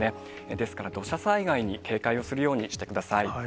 ですから土砂災害に警戒をするようにしてください。